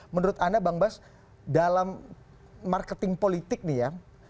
menurut anda bang bas dalam marketing politik nih ya